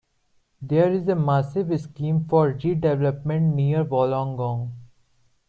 There is a massive scheme for redevelopment near Wollongong.